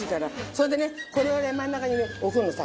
それでねこれをね真ん中にね置くのさこうして。